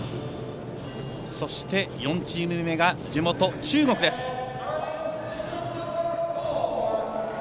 そして、４チーム目地元・中国です。